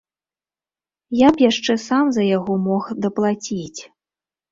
Я б яшчэ сам за яго мог даплаціць.